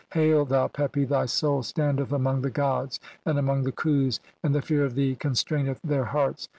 Hail, thou Pepi, thy soul "standeth (20) among the gods and among the Khus, "and the fear of thee constraineth their hearts.